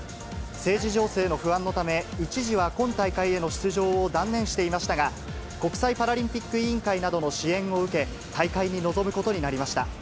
政治情勢の不安のため、一時は今大会への出場を断念していましたが、国際パラリンピック委員会などの支援を受け、大会に臨むことになりました。